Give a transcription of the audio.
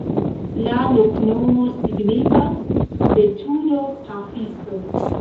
La loknomo signifas: betulo-pafisto.